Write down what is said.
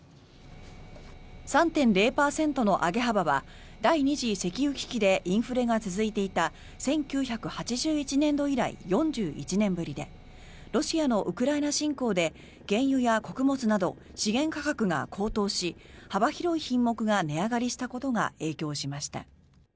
３．０％の上げ幅は第２次石油危機でインフレが続いていた１９８１年度以来４１年ぶりでロシアのウクライナ侵攻で原油や穀物など資源価格が高騰し幅広い品目が値上がりしたことが影響しました。